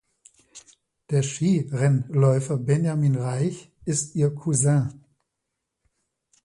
Der Skirennläufer Benjamin Raich ist ihr Cousin.